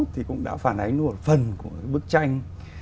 thì cũng đã phản ánh một phần của bức tranh